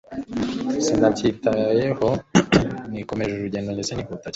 sinabyitayeho nikomereje urugendo ndetse nihuta cyane